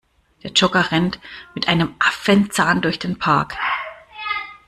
Der Jogger rennt mit einem Affenzahn durch den Park.